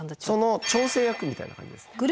その調整役みたいな感じですね。